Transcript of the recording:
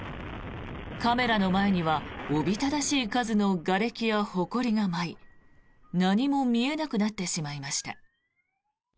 カメラの前にはおびただしい数のがれきやほこりが舞い何も見えなくなってしまいました。